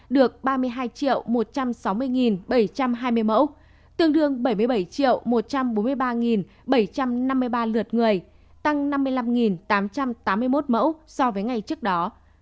được ba mươi hai một trăm sáu mươi bảy trăm hai mươi mẫu tương đương bảy mươi bảy một trăm bốn mươi ba bảy trăm năm mươi ba lượt người tăng năm mươi năm tám trăm tám mươi một mẫu so với ngày trước đó